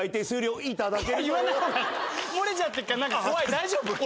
大丈夫？